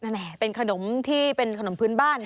แหมเป็นขนมที่เป็นขนมพื้นบ้าน